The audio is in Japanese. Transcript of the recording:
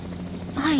はい。